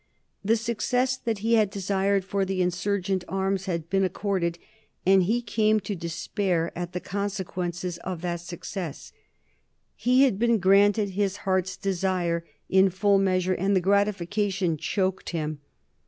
The success that he had desired for the insurgent arms had been accorded, and he came to despair at the consequence of that success. He had been granted his heart's desire in full measure, and the gratification choked him.